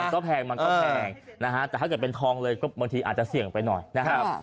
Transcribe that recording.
ก็แพงมันก็แพงนะฮะแต่ถ้าเกิดเป็นทองเลยก็บางทีอาจจะเสี่ยงไปหน่อยนะครับ